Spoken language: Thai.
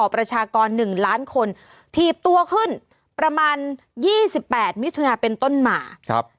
ประชากร๑ล้านคนถีบตัวขึ้นประมาณ๒๘มิถุนาเป็นต้นมา